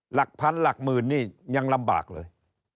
หลักพันหลักหมื่นนี่ยังลำบากเลย